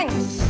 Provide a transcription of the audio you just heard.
nanti aku jalan